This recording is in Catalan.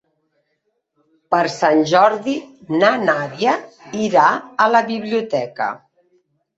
Per Sant Jordi na Nàdia irà a la biblioteca.